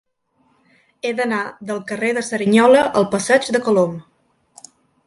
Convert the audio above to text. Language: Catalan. He d'anar del carrer de Cerignola al passeig de Colom.